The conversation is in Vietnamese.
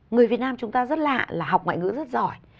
người việt nam chúng ta rất lạ là học ngoại ngữ rất giỏi